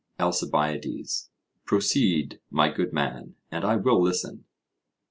ALCIBIADES: Proceed, my good man, and I will listen.